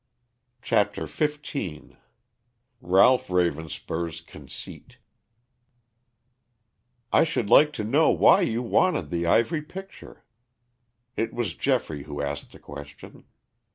CHAPTER XV RALPH RAVENSPUR'S CONCEIT "I should like to know why you wanted the ivory picture?" It was Geoffrey who asked the question.